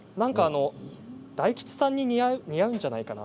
大吉さんに似合うんじゃないかな。